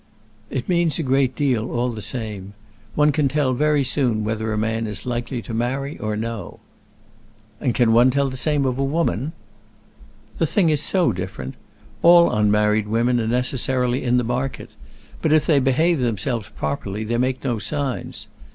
"It means a great deal all the same. One can tell very soon whether a man is likely to marry or no." "And can one tell the same of a woman?" "The thing is so different. All unmarried women are necessarily in the market; but if they behave themselves properly they make no signs.